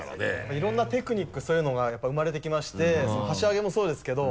いろんなテクニックそういうのがやっぱり生まれてきまして箸上げもそうですけど。